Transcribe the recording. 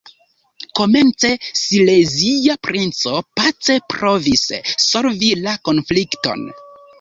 Komence silezia princo pace provis solvi la konflikton.